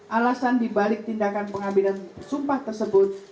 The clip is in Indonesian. alasan dibalik tindakan pengambilan sumpah tersebut